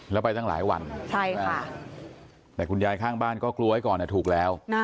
แล้วไปตั้งหลายวันแต่คุณยายข้างบ้านก็กลัวไว้ก่อนถูกแล้ว